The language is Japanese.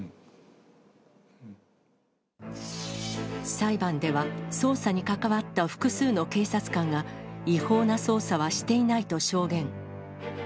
裁判では、捜査に関わった複数の警察官が、違法な捜査はしていないと証言。